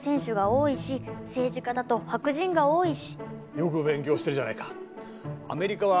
よく勉強してるじゃないか。